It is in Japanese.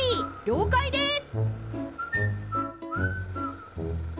了解です！